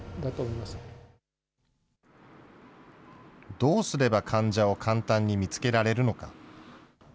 どうすれば患者を簡単に見つけられるのか。